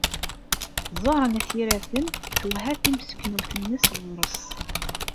Ẓuhṛa n At Yiraten twehha timseknewt-nnes ɣur-s.